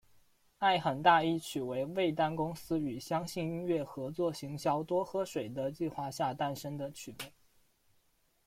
爱很大一曲为味丹公司与相信音乐合作行销多喝水的计划下诞生的曲目。